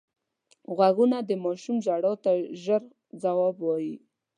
غوږونه د ماشوم ژړا ته ژر ځواب وايي